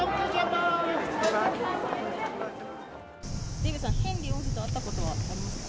デーブさん、ヘンリー王子と会ったことはありますか？